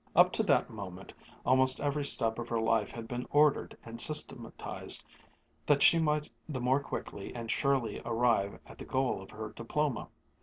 Up to that moment almost every step of her life had been ordered and systematized, that she might the more quickly and surely arrive at the goal of her diploma.